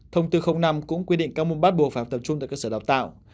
thông tư năm cũng quy định các môn bắt buộc phải tập trung tại cơ sở đào tạo